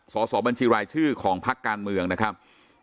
สอบบัญชีรายชื่อของพักการเมืองนะครับ